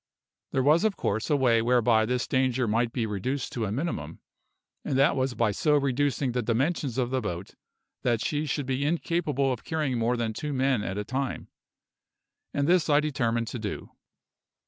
There was, of course, a way whereby this danger might be reduced to a minimum, and that was by so reducing the dimensions of the boat that she should be incapable of carrying more than two men at a time; and this I determined to do.